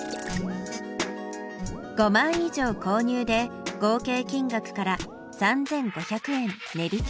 ５枚以上購入で合計金額から３５００円値引き。